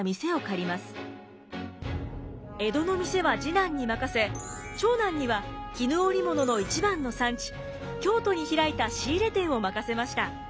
江戸の店は次男に任せ長男には絹織物の一番の産地京都に開いた仕入れ店を任せました。